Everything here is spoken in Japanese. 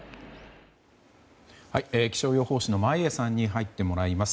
気象予報士の眞家さんに入ってもらいます。